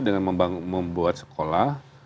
dengan membuat sekolah